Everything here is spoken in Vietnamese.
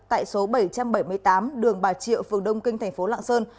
tại số bảy trăm bảy mươi tám đường bà triệu phường đông kinh thành phố lạng sơn